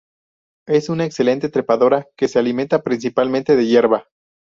Es una excelente trepadora que se alimenta principalmente de hierba.